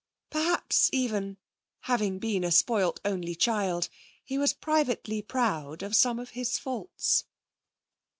Perhaps, even, having been a spoilt only child, he was privately proud of some of his faults.